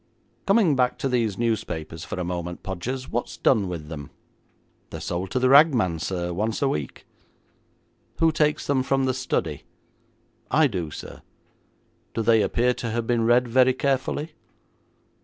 'Coming back to these newspapers for a moment, Podgers. What is done with them?' 'They are sold to the ragman, sir, once a week.' 'Who takes them from the study?' 'I do, sir.' 'Do they appear to have been read very carefully?'